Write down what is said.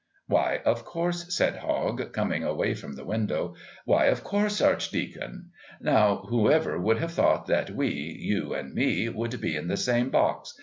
"Why, of course," said Hogg, coming away from the window. "Why, of course, Archdeacon. Now, whoever would have thought that we, you and me, would be in the same box?